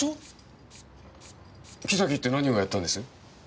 木崎って何をやったんです？